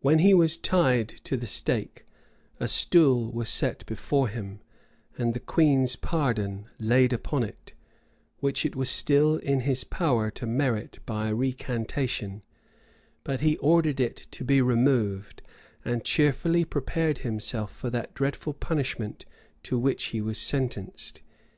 When he was tied to the stake, a stool was set before him, and the queen's pardon laid upon it, which it was still in his power to merit by a recantation; but he ordered it to be removed, and cheerfully prepared himself for that dreadful punishment to which he was sentenced.